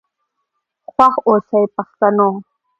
خوښ آوسئ پښتنو.